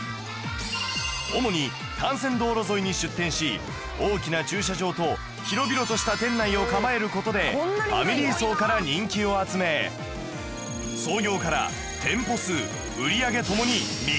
主に幹線道路沿いに出店し大きな駐車場と広々とした店内を構える事でファミリー層から人気を集め創業から店舗数売り上げともに